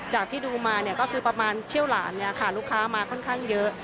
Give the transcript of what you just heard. ที่ดูมาก็คือประมาณเชี่ยวหลานลูกค้ามาค่อนข้างเยอะ